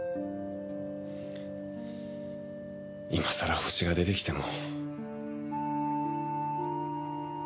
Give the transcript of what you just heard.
今さらホシが出てきても。